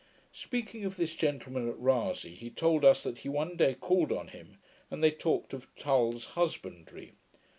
Speaking of this gentleman, at Rasay, he told us, that he one day called on him, and they talked of Tull's Husbandry.